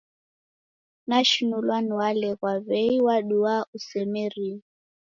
Nashinulwa ni Waleghwa w'ei waduaa usemerie.